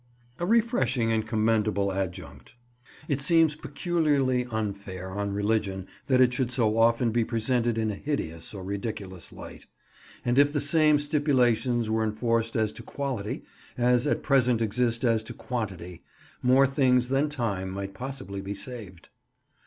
a refreshing and commendable adjunct. It seems peculiarly unfair on religion that it should so often be presented in a hideous or ridiculous light, and if the same stipulations were enforced as to quality as at present exist as to quantity, more things than time might possibly be saved.